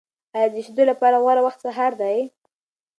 آیا د شیدو لپاره غوره وخت سهار دی؟